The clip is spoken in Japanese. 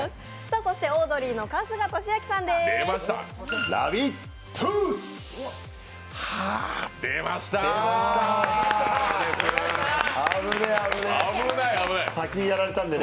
オードリーの春日俊彰さんです。